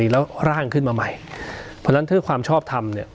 แล้วร่างขึ้นมาใหม่เพราะฉะนั้นถ้าความชอบทำเนี่ย